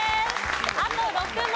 あと６問。